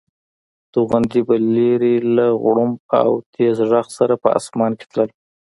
توغندي به لرې له غړومب او تېز غږ سره په اسمان کې تلل.